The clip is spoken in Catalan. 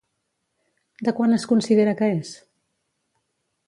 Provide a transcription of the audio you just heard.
De quan es considera que és?